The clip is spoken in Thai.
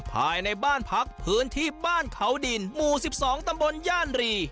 ภายในบ้านพักพื้นที่บ้านเขาดินหมู่๑๒ตำบลย่านรี